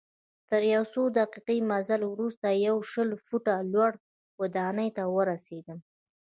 تر یو څو دقیقې مزل وروسته یوه شل فوټه لوړي ودانۍ ته ورسیدم.